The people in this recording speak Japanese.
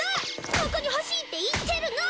ここに欲しいって言ってるの！